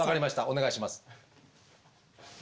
お願いします。